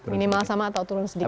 minimal sama atau turun sedikit